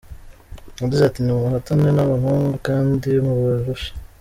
Yagize ati “Nimuhatane n’abahungu, kandi mubarushe.